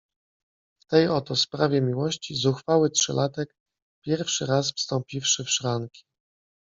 W tej oto sprawie miłości, zuchwały trzylatek, pierwszy raz wstąpiwszy w szranki -